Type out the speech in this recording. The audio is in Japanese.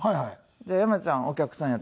じゃあ山ちゃんお客さんやって。